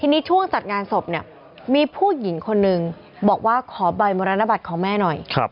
ทีนี้ช่วงจัดงานศพเนี่ยมีผู้หญิงคนนึงบอกว่าขอใบมรณบัตรของแม่หน่อย